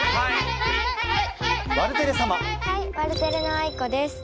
ワルテレのあいこです。